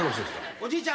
おじいちゃん。